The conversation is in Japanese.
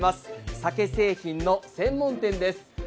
鮭製品の専門店です。